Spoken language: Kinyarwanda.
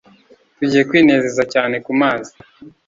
Tugiye kwinezeza cyane ku mazi